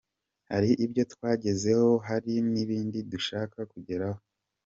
Hari ibyo twagezeho hari n’ibindi dushaka kugeraho.